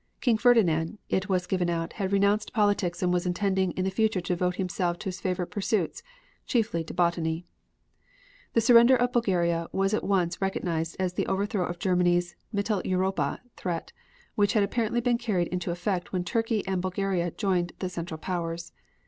King Ferdinand, it was given out, had renounced politics and was intending in the future to devote himself to his favorite pursuits, chiefly to botany. The surrender of Bulgaria was at once recognized as the overthrow of Germany's "Mittel Europa" threat, which had apparently been carried into effect when Turkey and Bulgaria joined the Central Powers.